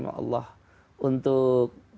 oleh allah untuk